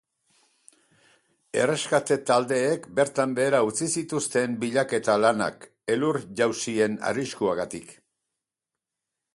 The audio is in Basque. Erreskate taldeek bertan behera utzi zituzten bilaketa lanak elur-jausien arriskuagatik.